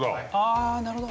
ああなるほど。